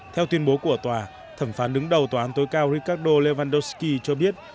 theo tuyên bố của tòa thẩm phán đứng đầu tòa án tối cao ricardo lewandowski cho biết